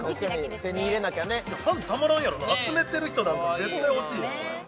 確かに手に入れなきゃねファンたまらんやろな集めてる人なんか絶対欲しいよ